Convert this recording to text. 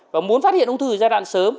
và muốn phát hiện ung thư ở giai đoạn sớm